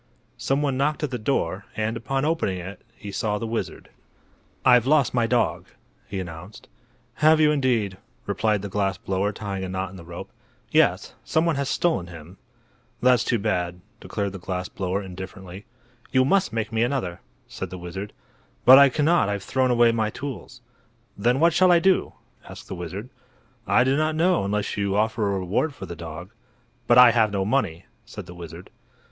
Some one knocked at the door, and, upon opening it, he saw the wizard. "I've lost my dog," he announced. "Have you, indeed?" replied the glass blower tying a knot in the rope. "Yes; some one has stolen him." "That's too bad," declared the glass blower, indifferently. "You must make me another," said the wizard. "But I cannot; I've thrown away my tools." "Then what shall I do?" asked the wizard. "I do not know, unless you offer a reward for the dog." "But I have no money," said the wizard.